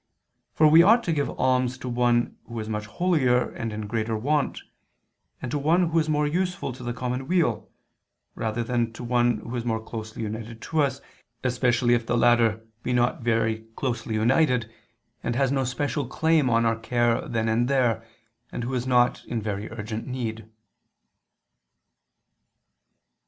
For we ought to give alms to one who is much holier and in greater want, and to one who is more useful to the common weal, rather than to one who is more closely united to us, especially if the latter be not very closely united, and has no special claim on our care then and there, and who is not in very urgent need.